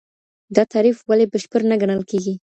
دا تعريف ولي بشپړ نه ګڼل کيږي؟